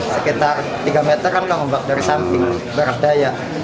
sekitar tiga meter kan ombak dari samping berdaya